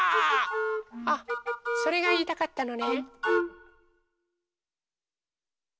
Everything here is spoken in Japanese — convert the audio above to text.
あっそれがいいたかったのね。